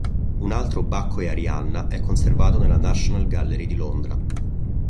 Un altro "Bacco e Arianna" è conservato nella National Gallery di Londra.